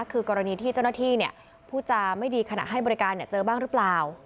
คือกรณีที่เจ้าหน้าที่พูดจาไม่ดีขณะให้บริการเจอบ้างหรือเปล่า